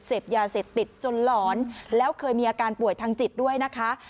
เสพยาเสพติดจนหลอนแล้วเคยมีอาการป่วยทางจิตด้วยนะคะ